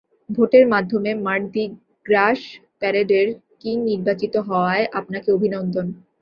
ভোটের মাধ্যমে মার্দি গ্রাস প্যারেডের কিং নির্বাচিত হওয়ায় আপনাকে অভিনন্দন।